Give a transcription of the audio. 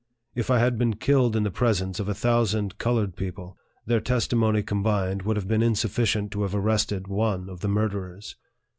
If I had been killed in the pres ence of a thousand colored people, their testimony combined would have been insufficient to have arrested one of the murderers.